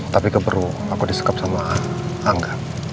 tapi keburu aku disekap sama angga